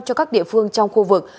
cho các địa phương trong khu vực